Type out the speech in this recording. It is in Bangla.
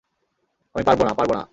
আমি পারবো না, পারবো না।